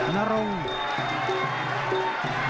หนังรม